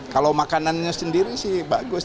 kalau makanannya sendiri sih bagus